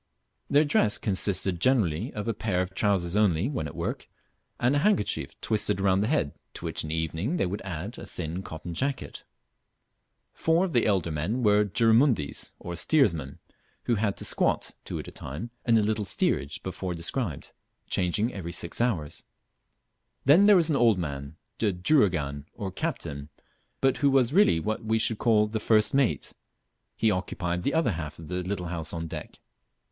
Their dress consisted generally of a pair of trousers only, when at work, and a handkerchief twisted round the head, to which in the evening they would add a thin cotton jacket. Four of the elder men were "jurumudis," or steersmen, who had to squat (two at a time) in the little steerage before described, changing every six hours. Then there was an old man, the "juragan," or captain, but who was really what we should call the first mate; he occupied the other half of the little house on deck.